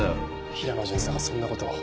平野巡査がそんな事を。